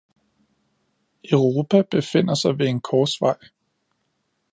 Europa befinder sig ved en korsvej.